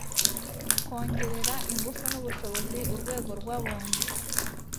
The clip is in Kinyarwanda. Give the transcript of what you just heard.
kongerera ingufu n'ubushobozi urwego rw' abunzi